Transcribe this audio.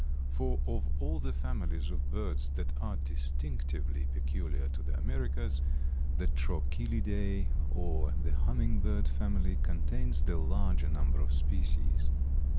For of all the families of birds that are distinctively peculiar to the Americas the Trochilidæ, or the Hummingbird family, contains the larger number of species.